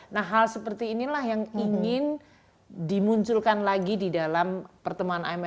nah hal seperti inilah yang ingin dimunculkan lagi di dalam pertemuan imf